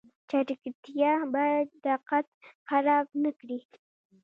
چټکتیا باید دقت خراب نکړي